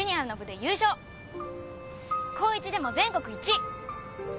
高１でも全国１位。